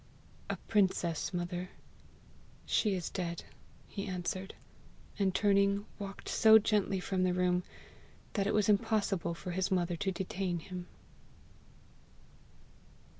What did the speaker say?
"A princess, mother. She is dead," he answered, and turning walked so gently from the room that it was impossible for his mother to detain him.